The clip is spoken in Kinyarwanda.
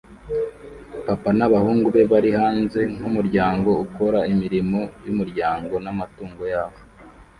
Papa n'abahungu be bari hanze nkumuryango ukora imirimo yumuryango n'amatungo yabo